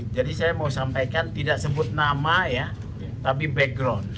jadi saya mau sampaikan tidak sebut nama ya tapi background